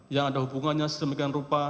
yang ada hubungannya sedemikian rupa